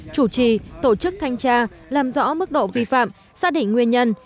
chủ trì tổ chức thanh tra làm rõ mức độ vi phạm xác định nguyên nhân